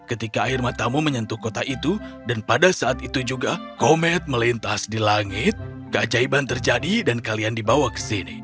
ketika air matamu menyentuh kota itu dan pada saat itu juga komet melintas di langit keajaiban terjadi dan kalian dibawa ke sini